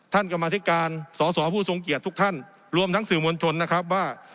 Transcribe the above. กรรมธิการสอสอผู้ทรงเกียรติทุกท่านรวมทั้งสื่อมวลชนนะครับว่า